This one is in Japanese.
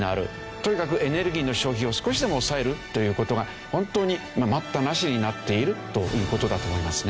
とにかくエネルギーの消費を少しでも抑えるという事が本当に待ったなしになっているという事だと思いますね。